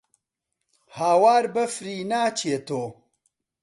هاوار بەفری ناچێتۆ